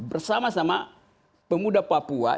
bersama sama pemuda papua